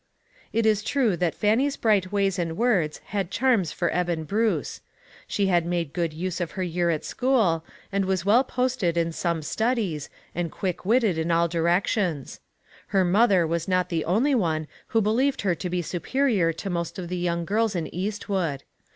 It is true that Fannie's bright ways and words had charms for Eben Bruce. She had made good use of her year at school, and was well posted in some studies, and quick witted in all directions. Her mother was not the only one who believed her to be superior to most of the young girls in Eastwood.